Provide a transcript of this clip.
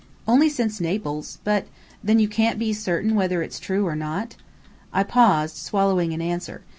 "Only since Naples. But " "Then you can't be certain whether it's true or not?" I paused, swallowing an answer.